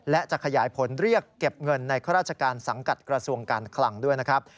และจะขยายผลเรียกเก็บเงินในข้าราชการสังกัดกระทรวงการคลังด้วยนะครับ